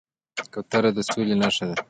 کوتره د سولې نښه ده